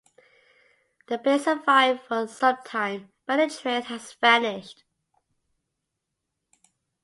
The base survived for some time, but any trace has vanished.